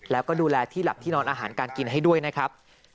แล้วก็ดูแลที่หลับที่นอนอาหารการกินให้ด้วยนะครับ